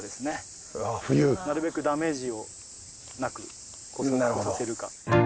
なるべくダメージをなく越させるか。